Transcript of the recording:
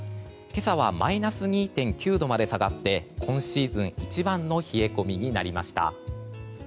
今朝はマイナス２．９度まで下がって今シーズン一番の冷え込みになりました。